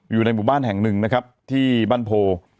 อยู่ในหมู่บ้านแห่งหนึ่งนะครับที่บ้านโพ